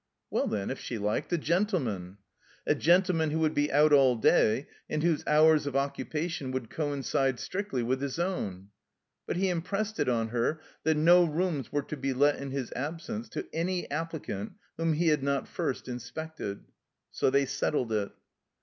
Well, then, if she liked, a gentleman. A gentle man who would be out all day, and whose hours of occupation would coincide strictly with his own. But he impressed it on her that no rooms were to be let in his absence to any applicant whom he had not first inspected. So they settled it.